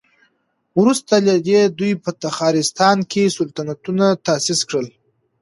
وروسته له دې دوی په تخارستان کې سلطنتونه تاسيس کړل